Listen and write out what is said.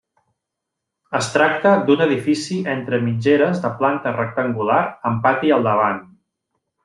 Es tracta d'un edifici entre mitgeres de planta rectangular amb pati al davant.